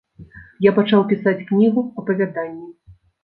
Я пачаў пісаць кнігу, апавяданні.